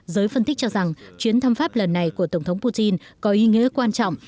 giới phân tích cho rằng chuyến thăm pháp lần này của tổng thống putin có ý nghĩa quan trọng